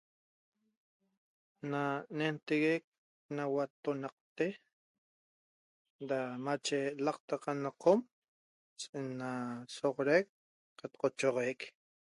Na nentexeq na nahuaqnaxate da mache laqtaqa na qom ena soxoraiq qataq choxoraiq